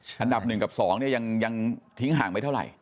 ธนับ๑กับ๒นี้ยังทิ้งหางไม่เท่าไหร่